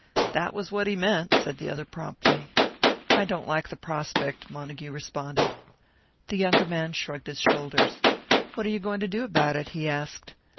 "That was what he meant," said the other, promptly. "I don't like the prospect," Montague responded. The younger man shrugged his shoulders. "What are you going to do about it?" he asked.